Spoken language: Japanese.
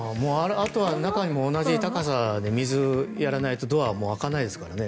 あとは中も同じ高さで水、やらないとドアも開かないですからね。